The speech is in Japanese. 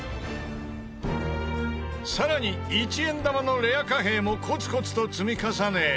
さらに１円玉のレア貨幣もコツコツと積み重ね